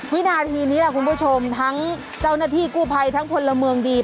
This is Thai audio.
วินาทีนี้ล่ะคุณผู้ชมทั้งเจ้าหน้าที่กู้ภัยทั้งพลเมืองดี